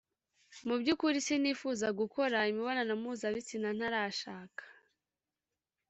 Mu by’ukuri sinifuzaga gukora imibonano mpuzabitsina ntarashaka